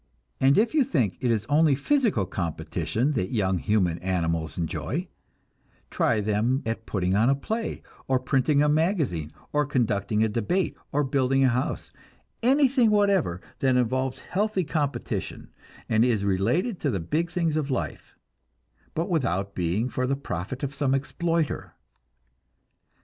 And if you think it is only physical competition that young human animals enjoy, try them at putting on a play, or printing a magazine, or conducting a debate, or building a house anything whatever that involves healthy competition, and is related to the big things of life, but without being for the profit of some exploiter!